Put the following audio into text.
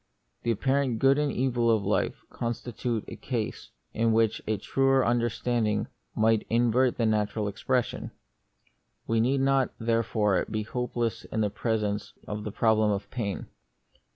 The apparent good and evil of life constitute a case in which a truer understand ing might invert the natural impression. We need not, therefore, be hopeless in presence of the problem of pain.